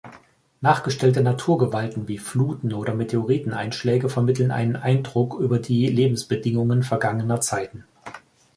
Nachgestellte Naturgewalten wie Fluten oder Meteoriteneinschläge vermitteln einen Eindruck über die Lebensbedingungen vergangener Zeiten.